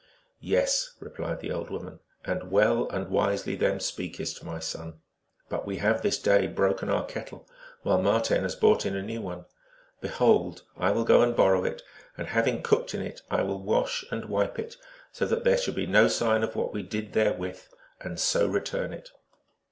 " Yes," replied the old woman, " and well and wisely them speakest, my son. But we have this day broken our kettle, while Marten has brought in a new one. Behold, I will go and borrow it, and having cooked in it I will wash and wipe it, so that there shall be no sign of what we did therewith, and so return it."